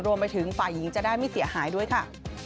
รวมไปถึงฝ่ายหญิงจะได้ไม่เสียหายด้วยค่ะ